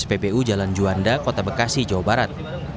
seperti yang terjadi di spbu jalan juanda kota bekasi jawa barat